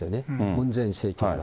ムン・ジェイン政権が。